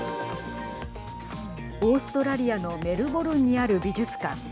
オーストラリアのメルボルンにある美術館。